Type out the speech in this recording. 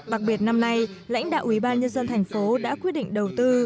đặc biệt năm nay lãnh đạo ủy ban nhân dân thành phố đã quyết định đầu tư